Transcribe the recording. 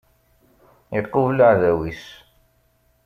Iqubel aεdaw-is.